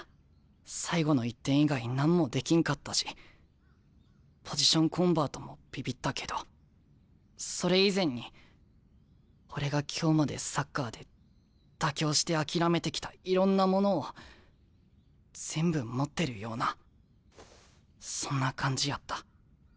最後の１点以外何もできんかったしポジションコンバートもビビったけどそれ以前に俺が今日までサッカーで妥協して諦めてきたいろんなものを全部持ってるようなそんな感じやった。